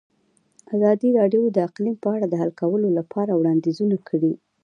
ازادي راډیو د اقلیم په اړه د حل کولو لپاره وړاندیزونه کړي.